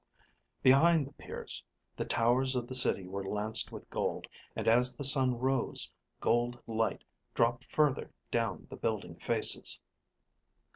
Behind the piers, the towers of the City were lanced with gold, and as the sun rose, gold light dropped further down the building faces.